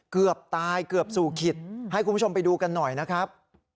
เกือบตายเกือบสู่ขิตให้คุณผู้ชมไปดูกันหน่อยนะครับ